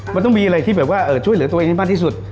มันต้องมีอะไรที่ช่วยเหลือตัวเองมากที่สุด